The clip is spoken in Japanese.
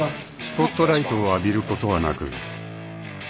［スポットライトを浴びることはなく］